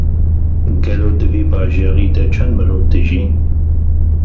Gelo di vî bajarî de çend mirov dijîn?